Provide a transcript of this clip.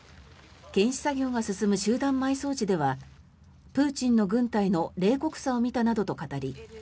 検視作業が進む集団埋葬地ではプーチンの軍隊の冷酷さを見たなどと語り